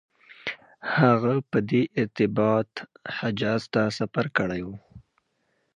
هغه په دې ارتباط حجاز ته سفر کړی و.